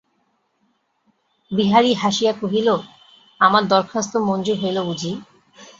বিহারী হাসিয়া কহিল, আমার দরখাস্ত মজ্ঞুর হইল বুঝি।